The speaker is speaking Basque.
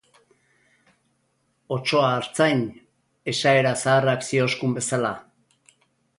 Otsoa artzain, esaera zaharrak zioskun bezala.